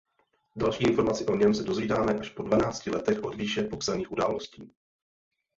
Další informaci o něm se dozvídáme až po dvanácti letech od výše popsaných událostí.